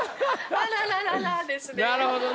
あららららですね。